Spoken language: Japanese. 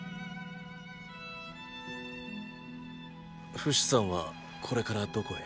フシさんはこれからどこへ？